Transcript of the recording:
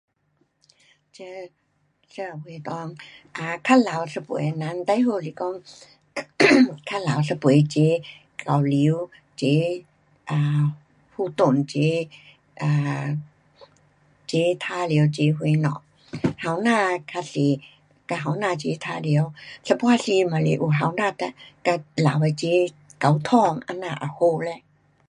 这社会内，啊，较老一辈的人最好是讲 较老一辈齐交流，齐，啊，互动，齐啊，齐玩耍，齐什么。年轻的较多跟年轻齐玩耍。有半时也是有年轻的跟，跟老的齐交通，这样也好嘞。